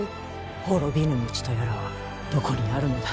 滅びぬ道とやらはどこにあるのだ。